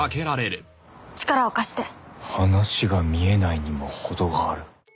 「力を貸して」「話が見えないにも程がある」